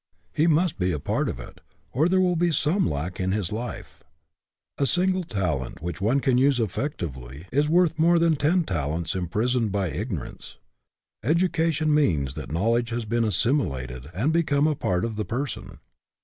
He must be a part of it, or there will be some lack in his life. A single talent which one can use effective ly is worth more than ten talents imprisoned by ignorance. Education means that knowl edge has been assimilated and become a part of the person.